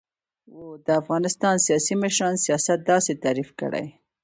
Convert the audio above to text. و : د افغانستان سیاسی مشران سیاست داسی تعریف کړی